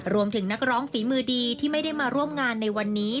นักร้องฝีมือดีที่ไม่ได้มาร่วมงานในวันนี้